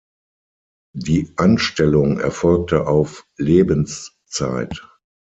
Die Anstellung erfolgte auf Lebenszeit.